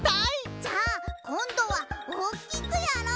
じゃあこんどはおおきくやろう！